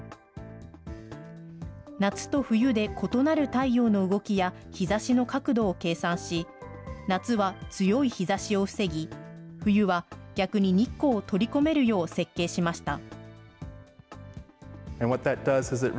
夏と冬で異なる太陽の動きや日ざしの角度を計算し、夏は強い日ざしを防ぎ、冬は逆に日光を取り込めるよう設計しました。